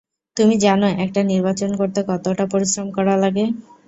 তুমি জানো, একটা নির্বাচন করতে কতটা পরিশ্রম করা লাগে?